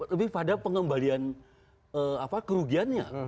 lebih pada pengembalian kerugiannya